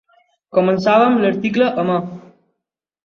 Començàvem l'article amè.